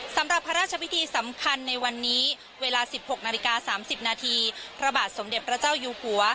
สำหรับภาราชพิธีในวันนี้เวลา๑๖น๓๐นเพราะบาทสมเด็จพระเจ้ายูฮัว